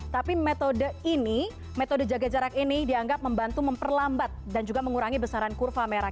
tapi metode ini metode jaga jarak ini dianggap membantu memperlambat dan juga mengurangi besaran kurva merah